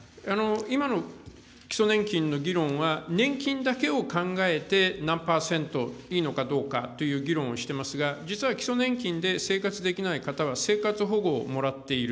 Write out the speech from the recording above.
今の基礎年金の議論は、年金だけを考えて、何％いいのかどうかという議論をしていますが、実は基礎年金で生活できない方は、生活保護をもらっている。